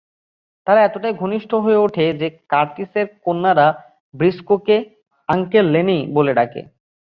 তারা এতটাই ঘনিষ্ঠ হয়ে ওঠে যে কার্টিসের কন্যারা ব্রিস্কোকে "আঙ্কেল লেনি" বলে ডাকে।